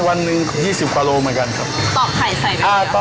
อ๋อวันนึงวุลเซ้น๒๐กว่าโลเหมือนกันตอบไข่ใส่ไหม